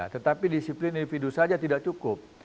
tetapi disiplin individu saja tidak cukup